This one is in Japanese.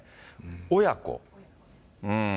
親子。